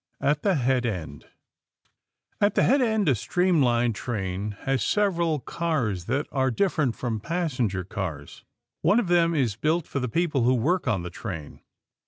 AT THE HEAD END At the head end, a streamlined train has several cars that are different from passenger cars. One of them is built for the people who work on the train.